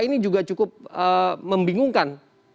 ini juga cukup membingungkan